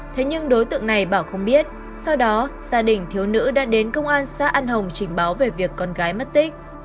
thế nhưng đối tượng này bảo không biết sau đó gia đình thiếu nữ đã đến công an xã an hồng trình báo về việc con gái mất tích